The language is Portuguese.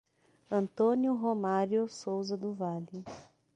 Antônio Romario Souza do Vale